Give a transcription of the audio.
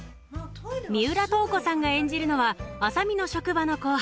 三浦透子さんが演じるのは麻美の職場の後輩